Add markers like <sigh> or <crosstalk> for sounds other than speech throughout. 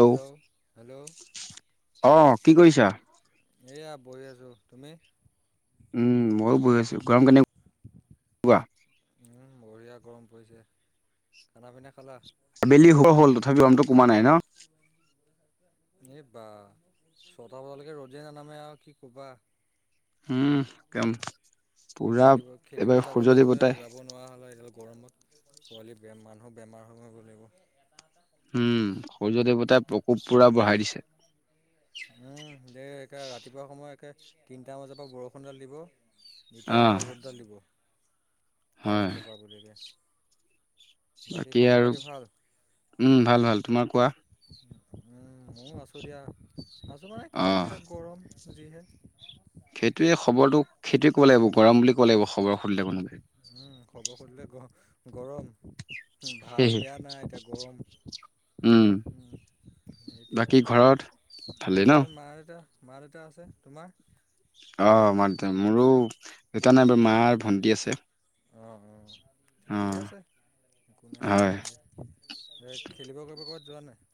Hello? Hello? অ' কি কৰিছা? এইয়া বহি আছোঁ, তুমি? উম ময়ো বহি আছো, গৰম কেনে উম বঢ়িয়া গৰম পৰিছে, খানা - পিনা খালা? আবেলি হ'বৰ হ'ল তথাপি গৰমতো কমা নাই ন? এই বা! ছটা বজালৈকে ৰ'দে নানামে আৰু কি ক'বা? উম, একদম পুৰা এবাৰ সূৰ্য দেৱতাই খাব নোৱাৰা হ'লে এডাল গৰমত, পোৱালি বে মানুহ বেমাৰ হব হব লাগিব। উম, সূৰ্য দেৱতাই প্ৰকোপ পুৰা বঢ়াই দিছে। উম, দে একে ৰাতিপুৱা সময়ত একে তিনিটা বজাৰ পৰা বৰষুণডাল দিব এতিয়া অ আকৌ ৰ'দডাল দিব হয় তাৰপিছৰ পৰা আবেলি লৈকে। বাকী আৰু উম ভাল - ভাল, তোমাৰ কোৱা? মইও আছোঁ দিয়া, আছোঁ মানে কি অ আৰু গৰম যিহে। সেইটোৱে খবৰটো সেইটোৱে ক'ব লাগিব গৰম বুলি ক'ব লাগিব খবৰ সুধিলে কোনোবাই। খউম বৰ সুধিলে গ গৰম, ভাল - বেয়া নাই এতিয়া গৰম। উম উম এতিয়া বাকী ঘৰত ভালেই ন ঘৰত মা - দেউতা মা - দেউতা আছে, তোমাৰ? অ' মই দে, মোৰো দুটা নাই বাৰ মা, ভণ্টি আছে। অ অ। অ ঠিকেই আছে, একো নাই হয় হেৰি এই খেলিব কৰিব' ক'ৰবাত যোৱা নাই?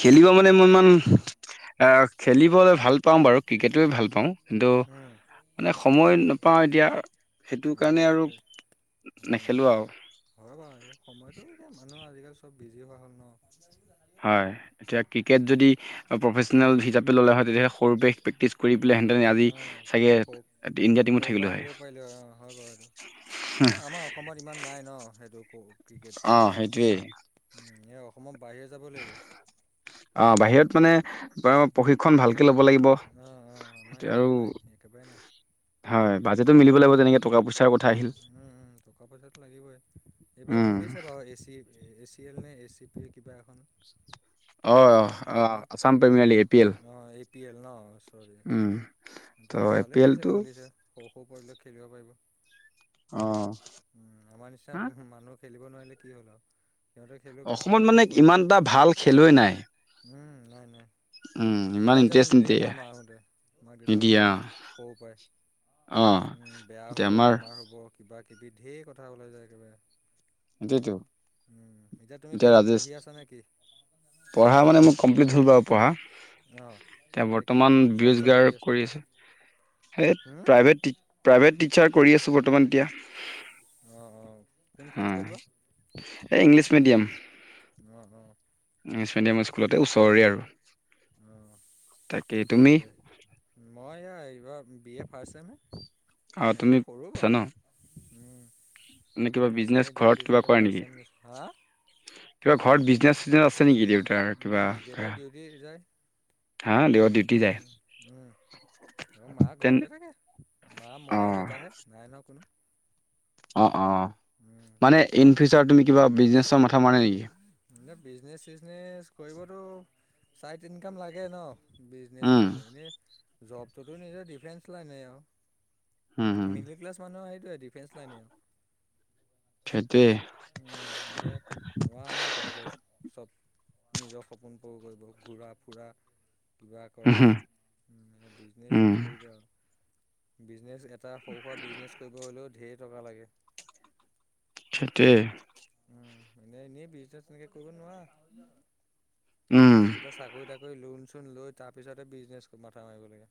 খেলিব মানে মই ইমান আ খেলিবলৈ ভাল পাওঁ বাৰু ক্ৰিকেটোৱে ভাল পাওঁ। কিন্তু উম মানে সময় নাপাওঁ এতিয়া সেইটো অঁ কাৰণে আৰু তে উম নেখেলো আৰু। হয় বাৰু আৰু সময়টো এতিয়া মানুহ আজিকালি চব বিজি হোৱা হ'ল ন। হয় এতিয়া ক্ৰিকেট যদি প্ৰফেচনেল হিচাপে ল'লে হয় তেতিয়াহলে সৰু প্ৰে প্ৰেক্টিচ কৰি পেলাই হেহঁতে আজি অঁ চাগে সৰু ইণ্ডিয়া টিমত সৰুৰ পৰাই থাকিলো হয়। অ আমাৰ অসমত ইমান নাই ন সেইটো ক ক্ৰিকেট। অঁ সেইটোৱেই। উম এই অসমৰ বাহিৰে যাব লাগিব। অঁ বাহিৰত মানে প প্ৰশিক্ষণ ভালকৈ ল'ব লাগিব। অ অ অ, আমাৰ এতিয়া আৰু ইয়াত নাই, একেবাৰে নাই। হয়, বাজেটো মিলিব লাগিব তেনেকে টকা - পইচাৰ কথা আহিল। উম উম, টকা- পইচাটো লাগিবই। এইবাৰ উম খুলিছে বাৰু A C A C L নে এ চি পি কিবা এখন অ অ অসমত Assam premier league A P L অ এ পি এল ন চৰি। উম। কিন্তু ত' এ পি ভালেই কৰিছে এলটো খুলিছে, সৰু - সৰু পোৱালিয়ে খেলিব পাৰিব। অ। উম আমাৰ নিচিনা হা উহু মানুহ খেলিব নোৱাৰিলে কি হ'ল আৰু? সিহঁতে খেলক আৰু অসমত সৰু মানে সৰু পোৱালিলৈ ইমান এটা ভাল খেলুৱৈ নাই। উম নাই নাই, উম, ইমান ওলাই যাব ইণ্টাৰেষ্ট নিদিয়ে ন মাহতে মাক দে নিদিয়ে সৰুতে অ', সৰু পৰাই, অ', উম বেয়া এতিয়া হ'ব আমাৰ বেমাৰ হ'ব, কিবা -কিবি ঢেৰ কথা ওলাই যায় একেবাৰে। সেইটোয়েতো। উম, এতিয়া তুমি কিবা পঢ়ি আছা নেকি? পঢ়া মানে মোৰ কমপ্লিট হ'ল পঢ়া। অ এতিয়া কিবা বৰ্তমান জব চব বিৰোজগাৰ আছা কৰি আছো। সেই হুম। প্ৰাইভেট টি প্ৰাইভেট টিচাৰ কৰি আছোঁ বৰ্তমান এতিয়া। অ', -অহ। উম। এই ইংলিছ মিডিয়াম। অঁ অঁ ইংলিছ মিডিয়াম স্কুলতে ওচৰৰে আৰু। অ' তাকেই তুমি তাকে। মই এইবাৰ বি এ ফাৰ্ষ্ট ছেমহে অ', তুমি মোতকৈ সৰু আছা বাৰু। ন উমঁ। নে কিবা হায় বিজনেছ ছেকেডেৰী দি ঘৰত উঠিছো, কিবা এতিয়া কৰে নেকি? ফাৰ্ষ্ট হা- কিবা ঘৰত বিজনেছ চিজনেছ আছে নেকি দেউতাৰ কিবা? উম দেউতা ডিউটি যায় হাঁ দেউতা ডিউটি যায়। উম উম। মা তেন ঘৰতে থাকে। মা, মই আৰু অ', দেউতাহে নাই ন কোনো। অঁ', -অঁ', উম - মানে ইন ফিউচাৰ তুমি কিবা বিজনেছৰ মাথা মাৰা নাই নেকি? এতিয়া বিজনেছ চিজনেছ কৰিবতো ছাইড ইনকাম লাগে ন। বিজনেচ উম, হিচাপে, এনেই জবটোতো নিজা ডিফেন্স লাইনে উম, উম, আৰু। মিডিল ক্লাছ মানুহেটো সেইটোৱে ডিফেন্স লাগে। সেইটোৱে। উম, এতিয়া- নোৱাৰ ন তেনেকৈ চব নিজৰ সপোনবোৰ কৰিব ঘূৰা, ফুৰা। কিবা উম, কৰা, হুম, বিজনেছ উম, কি কৰিবা আৰু। বিজনেছ এটা সৰু-সুৰা বিজনেছ কৰিব হ'লেও ঢেৰী টকা লাগে। সেইটোয়েই। উম, এনেই এনেই বিজনেছ তেনেকে কৰিব উম, নোৱাৰা কিবা। চাকৰি তাকৰি, লোন চোন লৈ তাৰ পিছতে বিজনেছ মাথা মাৰিব লাগে।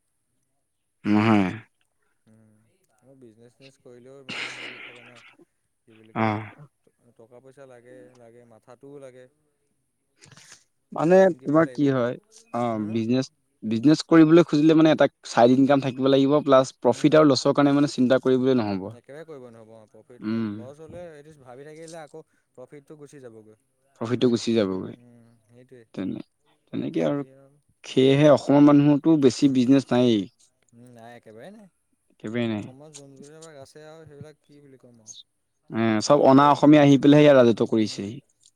উম। উম, আৰু বিজনেচ চিজনেছ কৰিলেও মানে হেৰি থাকে ন কি বুলি অ'। কয়- টকা পইচা লাগে, লাগে মাথাটোও লাগে। মানে টাইম দিব তোমাৰ লাগিব কি হয় অঁ উম বিজনেচ- বিজনেছ কৰিবলৈ খুজিলে মানে এটা চাইট ইনকাম থাকিব লাগিব, প্লাছ প্ৰফিত আৰু ল উম সেইটো কাৰণে মানে চিন্তা কৰিবলৈ নোৱাৰো। একেবাৰে কৰিব নহ'ব অ' প্ৰফিট লচ ভাবি থাকিলে আক প্ৰফিত টো গুচি যাবগৈ। প্ৰফিটো গুচি যাব। উমঁ সেইটোৱেই। তেনে তেনেকৈ আৰু সেয়েহে অসমৰ আৰু মানুহতো বেছি বিজনেছ নায়েই। নাই একেবাৰে নাই। একেবাৰে নাই। অসমত জোন বিলাক আছে আৰু সেইবিলাক কি বুলি ক'ম আৰু। উমঁ, চব ভালে অনা অসমীয়া আহি পেলাইহে ইয়াত ৰাজত্ব উম কৰিছেহি।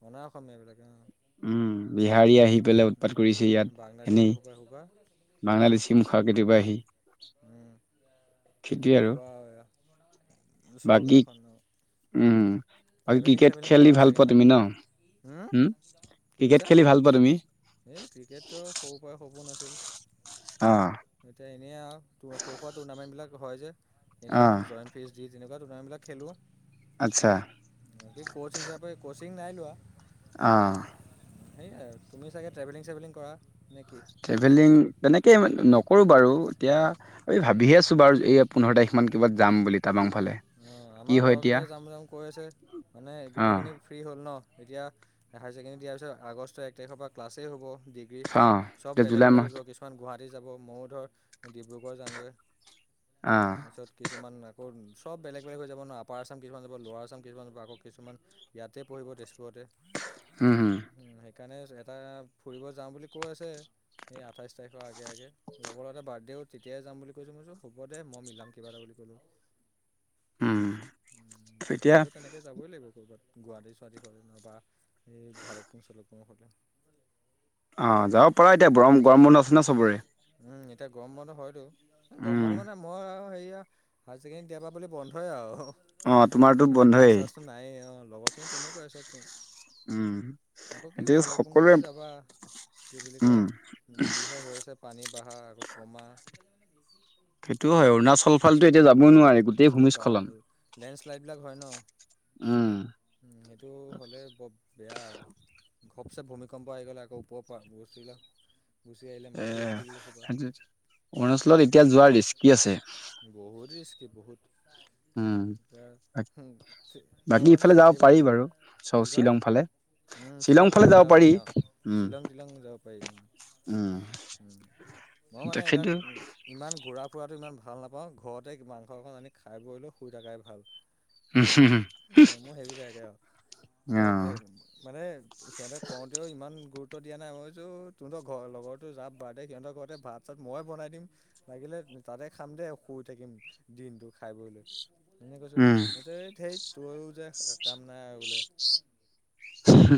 অনা অসমীয়া এইবিলাকে অঁ। উম, বিহাৰী আহি পেলাই উৎপাত কৰিছে হি উম ইয়াত বাংলাদেশী এনেই। সোপা সোপা বাংলাদেশী মুখা কেতিয়াবা আহি। উম কি সেইটোৱে আৰু ক'বা বাকী চৰকাৰখনক। উম বাকী ক্ৰিকেট খেলি ভাল পোৱা তুমি ন হুম উম। কি কৈছা ক্ৰিকেট খেলি ভাল পোৱা তুমি? এই ক্ৰিকেটটো সৰুৰ পাই সপোন আছিল অ' এতিয়া এনেই আ শ খ টুৰ্ণামেন্ট বিলাক হয় যে অ', এনেই জইন ফিজ দি তেনেকুৱা টৰ্ণামেবিলাক খেলো আতচ্ছা এ ক'চ হিচাপে কচিং নাই লোৱা। অ সেয়াই আৰু তুমিও চাগে ট্ৰেভেলিং চেভেলিং কৰা নেকি ট্ৰেভেলিং তেনেকেই মানে নকৰোঁ বাৰু এতিয়া এই উম, ভাবিহে আছোঁ বাৰু এই পোন্ধৰ তাৰিখমান কিবাত যাম বুলি টাবাংফালে অঁ আমাৰ লগৰকেইটাই যাম যাম কৈ আছে মানে অ'। গোটেইখিনি ফ্ৰী হ'ল ন এতিয়া হাই ছেকেণ্ডেৰী দিয়াৰ পিছত আগষ্টৰ এক তাৰিখৰ পৰা ক্লাছেই হ'ব ডিগ। গ্ৰী অ', এতিয়া চব বেলেগ জুলাই বেলেগ মাহত হৈ যাব কিচ মাণ গুৱাহাটী যাব ময়ো ধৰ ডিব্ৰুগড় যামগে আ পিছত কিছুমান আকৌ চব বেলেগ বলেগ হৈ যাব ন আপাৰ আছাম কিছুমান যাব ল'ৱাৰ আছাম কিছুমান যাব আকৌ কিছুমান ইয়াতে পঢ়িব তেজপুৰতে উম হুম উম সেইকাৰণে এটা ফুৰিব যাওঁ বুলি কৈ আছে। সেই আঠাইছ তাৰিখৰ আগে আগে লগৰ এটা বাৰ্থডেও তেতিয়াই যাম বুলি কৈছোঁ মইছো হ'ব দে মই মিলাম কিবা এটা বুলি ক'লোঁ উম। উম এতিয়া ফুৰিব তেনেক কে যাবই লাগিব ক'ৰবাত গুৱাহাটী ছোৱাটীৰ নহলে বা এই ভালুকপুং চালোকপুঙ ফালে অ' যাব পাৰা এতিয়া বৰম গৰম বন্ধ আছে ন চবৰে। উম এতিয়া গৰম বন্ধ হয়তো গৰম উম। বন্ধ মানে মই হেৰিয়া হাই ছেকেণ্ডেৰী দিয়া পৰা বুলি বন্ধই অ তোমাৰতো আউ ক্লাছ বন্ধয়েই চাছো নাই অ লগৰ খিনি তেনেকুৱাই চব চিন উম আকৌ কি সেইটো ভালকপুং সকলোৱে কি যাবা কি বুলি কয় উম যিহে হৈ আছে পানী বাহা আকৌ কমা। সেইটো হয় অৰুণাচল ফালটো এতিয়া যাবও নোৱাই গোটেই এই বা ভূমিস্খলন লেণ্ডশ্লাইডবিলাক উ উ সেইটো হ'লে বৰ বেয়া ঘপচে ভূমিকম্প আহি গ'লে আকৌ ওপৰ পৰা গুচি আহিলে এ মাটি শিল সোপা হেটো অৰুণাচলত এতিয়া যোৱাৰ ৰিস কি আছে বহুত ৰিস্কিত বহুত উম তে হু তে বাকী মই মানে ইফালে যাব পাৰি এইবিলাক বাৰু চ কি কয় শ্বিলং ফালে উম শ্বিলং শ্বিলং যাব পাৰি অ উম শ্বিলং শ্বিলং যাব পাৰি উম উম উম মই মানে এবিলাক তেখেতো ইমান ঘূৰা ফুৰাটো ইমান ভাল নাপাওঁ ঘৰতে মাংস একন আনি খাই বৈ লৈ শুই থকাই ভাল। অ মু সেইবিলাকে আ মউ তেই মানে সিহঁতে কওঁতেও ইমান গুৰুত্ব দিয়া নাই মই ভাবিছোঁ তহঁতৰ ঘৰ লগৰ যা বাৰ্থডে সিহতৰ ঘৰতে ভাত চাত ময়ে বনাই দিম লাগিলে তাতে খাম দেই শুই থাকিম দিনটো খাই বৈ লৈ। এনে কৈছো উম এ এই হেৰিত তোৰো যে কাম নাই আৰু বোলে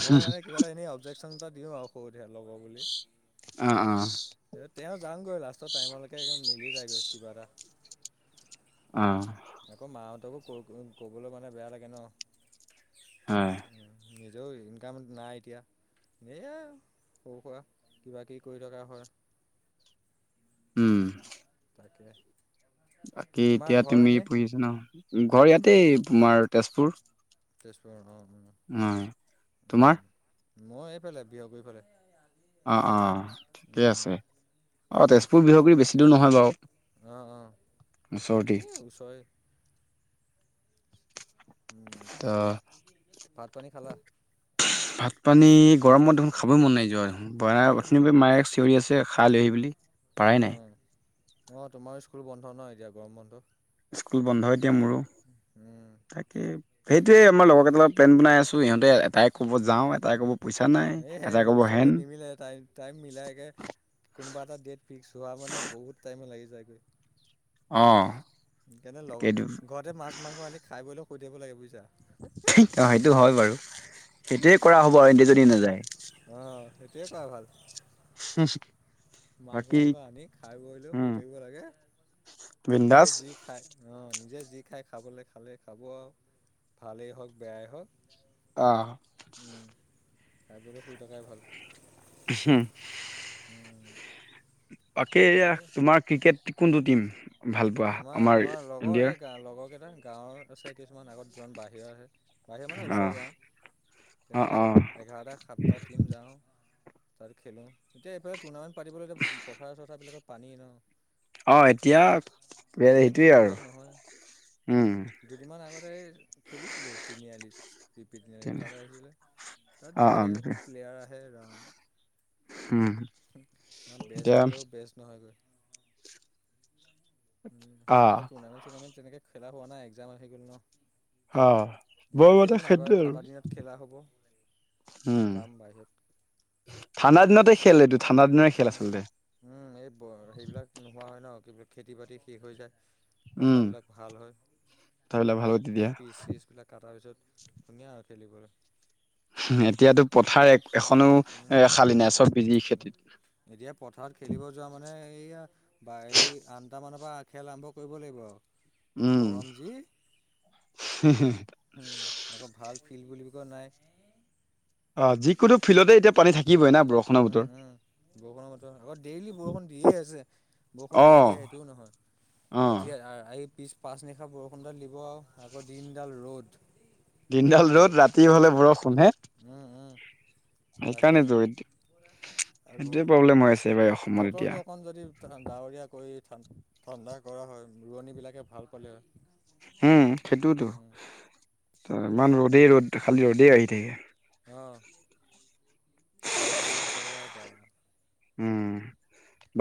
মই মানে কিবা এটা এনেই অবজেকশ্যন এটা দিওঁ আৰু সুবিধা ল'ব বুলি অ অ তেওঁ যামগৈ লাষ্টৰ টাইমলৈকে একদ মিলি যায়গৈ কিবা এটা অ' আকৌ মাহঁতকো ক ক'বলৈ মানে বেয়া লাগে ন। হয় নিজেও ইনকাম নাই এতিয়া এনে সৰু সুৰা কিবা কিবি। কৰি থকা হয় উম তাকে বাকী তোমাৰ এতিয়া ঘৰ তুমি এনেই পুহিছা ন ঘৰ ইয়াতেই তোমাৰ তেজপুৰ তেছপুৰ অ উম উ তোমাৰ মই এইফালে বিহ গুৰি ফালে অঁ অঁ ঠিকে উম আছে অ উম তেজপুৰ বিহগুৰি বেছি দূৰ নহয় বাৰু অঁ অঁ ওচৰতে এই ওচৰে। উম, ত তাকে ভাত পানী খালা। ভাত পানী গৰমত দেখোন খাবই মন নাই এই যোৱা <unintelligible> <unintelligible> খাইলহি বুলি পাৰাই নাই অঁ তোমাৰো স্কুল বন্ধ ন এতিয়া গৰম বন্ধত স্কুল বন্ধ এতিয়া মোৰো উম তাকেই তাকে সেইটোৱেই আমাৰ লগৰ কেইটা লগত প্লেন বনাই আছোঁ ইহঁতে এটাই ক'ব যাওঁ এটাই ক'ব পইাচা নাই এটাই ক'ব হেন। মিলে টাইম টাইম মিলাই একে কোনোবা এটা ডেট ফিক্স হোৱা মানে বহুত টাইম লাগি যায়গৈ অঁ সেইকাৰণে লগৰ ঘৰতে মাছ মাংস আনি খাইবৈ ল ই শুই থাকিব লাগে বুজিছা ঠিক অ সেইটো হয় বাৰু সেইটোৱে কৰা হ'ব আৰু এহেতি যদি নাযায় অ সেইটোৱে কৰা ভাল সো মাছ মাংস আনি খাই বৈই লৈ শুই উম থাকিব লাগে নিজে বিন্দাস যি খায় অ' নিজে যি খাই খাবলৈ খালেই খাব আৰু ভালেই হওক বেয়াই হওক অ' উম তাৰপিছতে শুই থকাই ভাল উম হো উম বাকী এয়া এই তোমাক ক্ৰিকেট কোনটো টিম ভাল পোৱা আমাৰ আমাৰ লগৰ ইণ্ডিয়াৰ এই গা লগৰ কেইটা গাঁৱৰ আছে কিছুমান আগত যমান বাহিৰৰ আছে বাহিৰ মানে অ ওচৰৰ গাঁও অ তেনেকৈ অ এঘাৰটা সাত তাত টিম যাওঁ তাত খেলোঁ এতিয়া এইফালে টুৰ্ণামেণ্ট পাতিবলৈ এতিয়া পথাৰ চথাৰ বিলাকত পানীয় নো অঁ এতিয়া এতিয়া সেইটোৱেই টুৰ্ণামেণ্টবিলাক নহয় আৰু দুদিনমান আগতে খেলিছিলোঁ তিনিআলিত বি পি তিনিআলিত তেনে তাত আহিছিলে তাত অ অ যিহে প্লেয়াৰ আহে ৰাম হম ইমান বেষ্ট দিলেও বেষ্ট নহয়গৈ উম অ এতিয়া টুৰ্নামেণ্টত চুনামেণট তেনেকে খেলা হোৱা নাই জাম হৈ আহি গ'ল ন অ' এইবাৰ মোৰ মতে খেলিম এইবাৰ সেইটোৱে আৰু। ঠাণ্ডা <unintelligible> হ'ব উম যাম বাহিৰত ঠাণ্ডা দিনতে খেল এইটো ঠাণ্ডা দিনৰে খেল আচলতে। উম, এই বৰ সেইবিলাক নোহোৱা হয় ন কি বুলি খেতি বাতি শেষ হৈ যায় উম পথাৰবিলাক ভাল হয় কথাবিলাক ভাল তেতিয়া পিচ চিচবিলাক কাটা পিছত ধুনীয়া আৰু খেলিবলে। এতিয়াতো পথাৰ এক এখনো উম এ খালি নাই চব বিজি খেতিত এতিয়া পথাৰত খেলিব যোৱা মানে এইয়া বাৰি আঠটামানৰ পৰা খেল আৰম্ভ কৰিব লাগিব আও। উম গৰম যি, হোম, আকো ভাল ফিল্ড বুলি ক নাইয়ে অ' যিকোনো ফিলতে এতিয়া পানী থাকিবই না ব্ৰ। উম-উম বৰষুণৰ বতৰ আকৌ ডেইলি বৰষুণ দিয়ে আছে বৰষুণ অ নাই দিয়া সেইটোও অ নহয় ৰাতি আহি পিছ পাঁচ নিশা বৰষুণডাল দিব আও আকৌ দিনডাল ৰ'দ দিনডাল ৰ'দ ৰাতি হলে বৰষুণ হে? উম উম। তাকে সেইকাৰণেতো সেইটোৱে প্ৰব্লেম হৈ আছে এইবাৰ অসমত এতিয়া অকমান যদি ডাৱৰীয়া কৰি ঠান ঠাণ্ডা কৰা হয় ৰোৱনী বিলাকে ভাল পালে হয়। উম সেইটোতো উম। বুজিলে ইমান ৰ'দেই ৰ'দ খালি ৰ'দেই আহি থাকে অ' ৰদ যিহে পৰে আৰু বা উম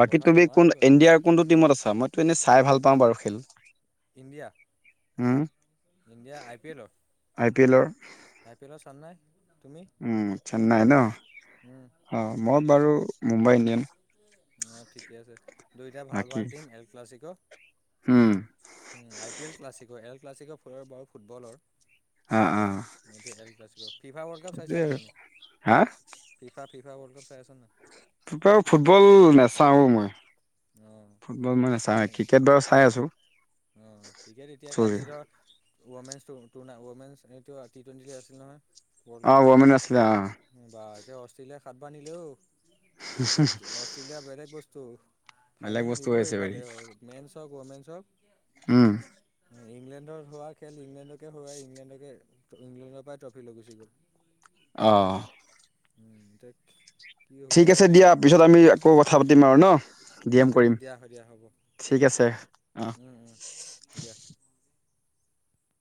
বাকী পথাৰত তুমি কোন নোৱাৰেগৈ ইণ্ডিয়াৰ কোনটো টিমত আছা মইতো এনেই চাই ভাল পাওঁ বাৰু খেল India home India I P এলৰ? আই পি এলৰ আই পি এলৰ ছাওন নাই তুমি উম চেন্নাই ন উম অঁ মই বাৰু মুম্বাই ইণ্ডিয়ান অ' ঠিকে আছে দুয়োটা ভাল বাকী ভাল টিম এল ক্লাছিক'। উম উম, আই পি এল ক্লাছিকৰ এল ক্লাছিকৰ ফয়ৰ বাও ফুটবলৰ অ' অ'। সেইটোৱে এল ক্লাছিকৰ ফিফা ৱৰ্ল্ড কাপ সেইটোৱে চাইছা আৰু নাই এনেই হা ফিফা ফিফা ৱৰ্ল্ড কাপ চাই আছা নে নাই ফিফা ফুটবল নাচাওঁ মই। অ ফুটবল মই নাচাওঁৱে ক্ৰিকেট বাৰু চাই আছো। অ' ক্ৰিকেট এতিয়া কালি ধৰ ওৱামেন টো টোনা ওৱমেনচ এইটোৱা টি টুৱেন্টি আছিল নহয় ৱৰ্ল্ড অ কাপ ওৱমেন আছিল আহ বা একে অষ্ট্ৰেলিয়াই সাতবাৰ নিলে অ' সেইটোত অষ্ট্ৰেলিয়া বেলেগ বস্তু। বেলেগ ফাইনেল বস্তু হৈ আছে নিবই বাৰী পালে হ'ল মেনছ হওক ৱমেনছ হওঁক। উম। ইংলেণ্ডত হোৱা খেল ইংলেণ্ডকে হৰুৱাই ইংলেণ্ডকে ইংলেণ্ডৰ পৰাই ট্ৰফি লৈ গুচি গ'ল। অ উম দেখ ঠিক আছে দিয়া পিছত আমি আকৌ কথা পাতিম আৰু ন? ডি উম এম কৰিম উম দিয়া হয় দিয়া হ'ব ঠিক আছে অ' উম উম দিয়া